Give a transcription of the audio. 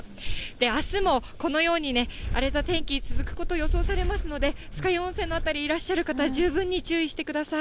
あすもこのように荒れた天気続くこと予想されますので、酸ヶ湯温泉の辺りいらっしゃる方、十分に注意してください。